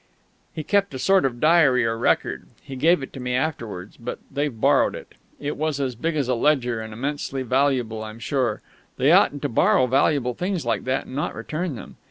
He kept a sort of diary or record. He gave it to me afterwards, but they've borrowed it. It was as big as a ledger, and immensely valuable, I'm sure; they oughtn't to borrow valuable things like that and not return them.